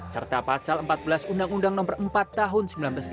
serta pasal empat belas undang undang no empat tahun seribu sembilan ratus delapan puluh